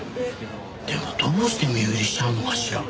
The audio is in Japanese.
でもどうして身売りしちゃうのかしら？